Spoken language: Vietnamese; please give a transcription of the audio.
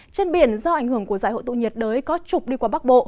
trên biển do ảnh hưởng của giải hội tụ nhiệt đới có trục đi qua bắc bộ